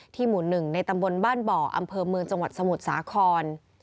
หมู่๑ในตำบลบ้านบ่ออำเภอเมืองจังหวัดสมุทรสาคร